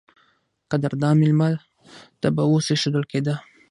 قدردان مېلمه ته به اېښودل کېده.